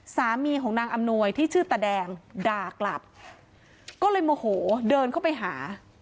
สามีของนางอำนวยที่ชื่อตาแดงด่ากลับก็เลยโมโหเดินเข้าไปหา